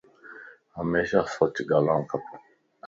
ھميشا سچ ڳالاڙ کپ